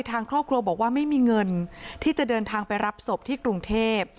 ทางครอบครัวบอกว่าไม่มีเงินที่จะเดินทางไปรับศพที่กรุงเทพ